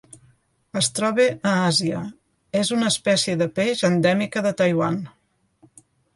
Es troba a Àsia: és una espècie de peix endèmica de Taiwan.